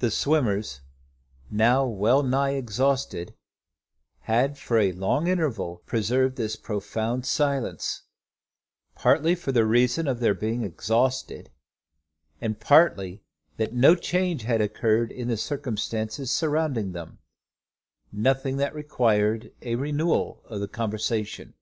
The swimmers, now wellnigh exhausted, had for a long interval preserved this profound silence, partly for the reason of their being exhausted, and partly that no change had occurred in the circumstances surrounding them, nothing that required a renewal of the conversation.